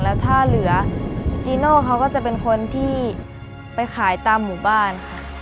แล้วถ้าเหลือจีโน่เขาก็จะเป็นคนที่ไปขายตามหมู่บ้านค่ะ